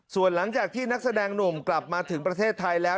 ส่วนหลังจากที่นักแสดงหนุ่มกลับมาถึงประเทศไทยแล้ว